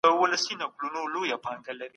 کمپيوټر فايبر مښلوي.